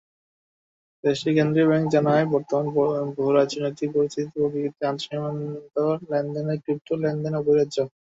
দেশটির কেন্দ্রীয় ব্যাংক জানায়, বর্তমান ভূরাজনৈতিক পরিস্থিতির পরিপ্রেক্ষিতে আন্তঃসীমান্ত লেনদেনে ক্রিপ্টো লেনদেন অপরিহার্য।